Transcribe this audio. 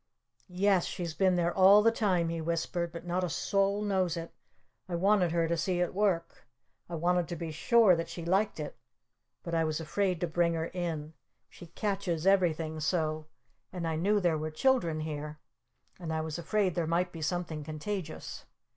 "Yes, she's been there all the time," he whispered. "But not a soul knows it! I wanted her to see it work! I wanted to be sure that she liked it But I was afraid to bring her in! She catches everything so! And I knew there were children here! And I was afraid there might be something contagious!"